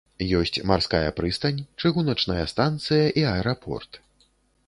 Ёсць марская прыстань, чыгуначная станцыя і аэрапорт.